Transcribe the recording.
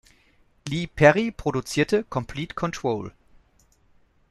Lee Perry produzierte "Complete Control".